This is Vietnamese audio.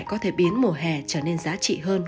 có thể biến mùa hè trở nên giá trị hơn